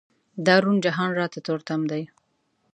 دا روڼ جهان راته تور تم دی.